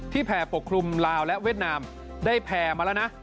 แผ่ปกคลุมลาวและเวียดนามได้แผ่มาแล้วนะ